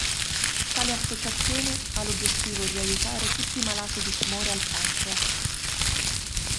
Tale associazione ha l'obiettivo di aiutare tutti i malati di tumore al pancreas.